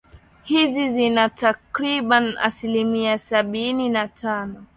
hizi zina takriban asilimia sabinia na tano